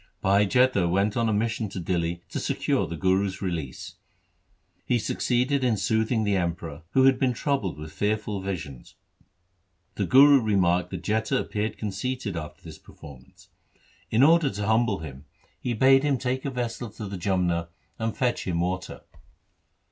Bhai Jetha went on a mission to Dihli to secure the Guru's release. He succeeded in soothing the Emperor, who had been troubled with fearful visions. The Guru remarked that Jetha appeared conceited after this performance. In order to humble him he 1 Bilawal. LIFE OF GURU HAR GOBIND 25 bade him take a vesse to the Jamna and fetch him water.